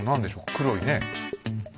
黒いね。